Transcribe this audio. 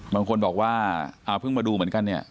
บางคนบอกว่าเพิ่งมาดูเหมือนกันเนี่ย